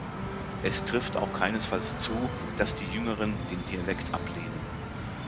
Es trifft auch keinesfalls zu, dass die Jüngeren den Dialekt ablehnen.